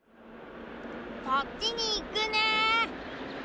そっちにいくね。